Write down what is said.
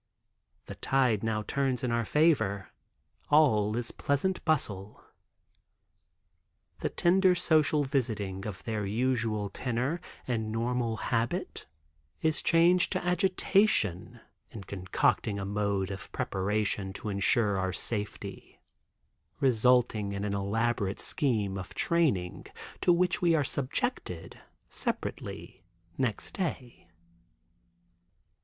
The tide now turns in our favor; all is pleasant bustle. The tender social visiting of their usual tenor and normal habit is changed to agitation in concocting a mode of preparation to ensure our safety, resulting in an elaborate scheme of training, to which we are subjected, separately, next day.